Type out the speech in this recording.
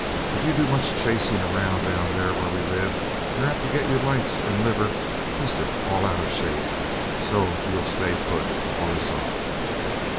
If you do much chasing around down there where we live, you're apt to get your lights and liver twisted all out of shape so you'll stay put, horizontal.